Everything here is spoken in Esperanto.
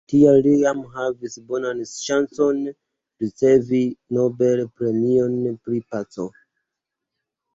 Tial li jam havis bonan ŝancon ricevi Nobel-premion pri paco.